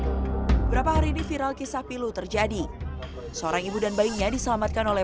hai berapa hari di viral kisah pilu terjadi seorang ibu dan bayinya diselamatkan oleh